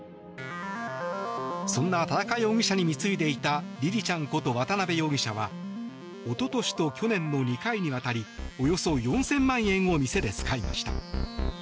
そんな田中容疑者に貢いでいたりりちゃんこと渡邊容疑者は一昨年と去年の２回にわたりおよそ４０００万円を店で使いました。